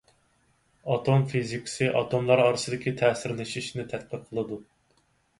ئاتوم فىزىكىسى ئاتوملار ئارىسىدىكى تەسىرلىشىشنى تەتقىق قىلىدۇ.